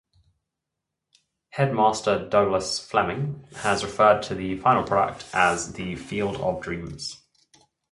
Headmaster Douglas Fleming has referred to the final product as the Field of Dreams.